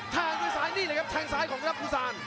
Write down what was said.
แทงด้วยซ้ายนี่เลยครับแทงซ้ายของรัฐภูซาน